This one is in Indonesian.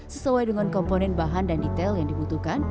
sesuai dengan komponen bahan dan detail yang dibutuhkan